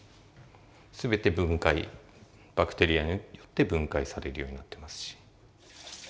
全て分解バクテリアによって分解されるようになってますし。